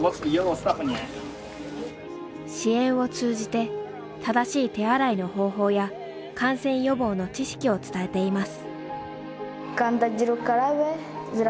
支援を通じて正しい手洗いの方法や感染予防の知識を伝えています。